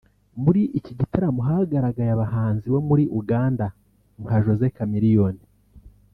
muri iki gitaramo hagaragaye abahanzi bo muri Uganda nka Jose Chameleone